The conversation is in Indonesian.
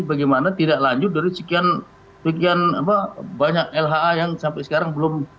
bagaimana tidak lanjut dari sekian banyak lha yang sampai sekarang belum